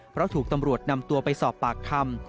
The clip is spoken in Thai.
เพราะถูกตำรวจนำตัวไปสอบปากคำ